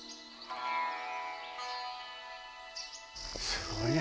すごいね。